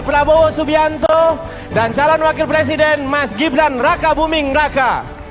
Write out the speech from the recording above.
prabowo subianto dan calon wakil presiden mas gibran raka buming raka